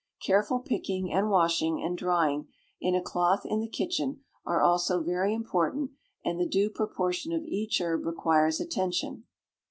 Careful picking, and washing, and drying in a cloth, in the kitchen, are also very important, and the due proportion of each herb requires attention.